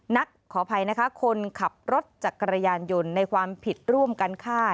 ขออภัยนะคะคนขับรถจักรยานยนต์ในความผิดร่วมกันฆ่า